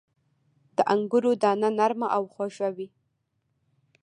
• د انګورو دانه نرمه او خواږه وي.